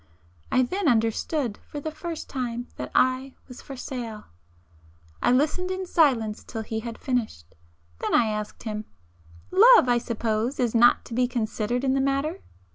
I then understood, for the first time, that I was for sale. I listened in silence till he had finished,—then I asked him—'Love, I suppose, is not to be considered in the matter?